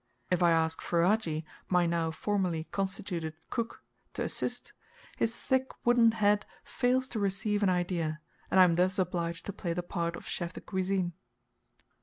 If I ask Ferajji, my now formally constituted cook, to assist, his thick wooden head fails to receive an idea, and I am thus obliged to play the part of chef de cuisine.